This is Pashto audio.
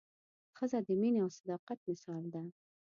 ښځه د مینې او صداقت مثال ده.